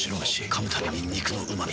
噛むたびに肉のうま味。